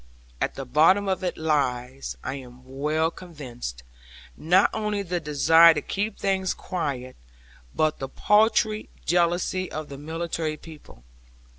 At the bottom of it lies (I am well convinced) not only the desire to keep things quiet, but the paltry jealousy of the military people.